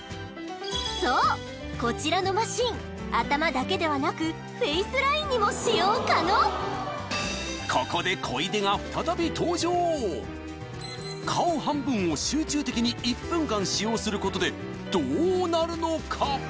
そうこちらのマシン頭だけではなくここで顔半分を集中的に１分間使用することでどうなるのか？